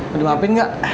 lo dimafin gak